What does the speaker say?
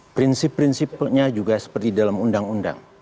prinsip prinsipnya juga seperti dalam undang undang